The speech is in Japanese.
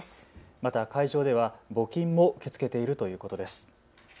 また会場では募金も受け付けているということです。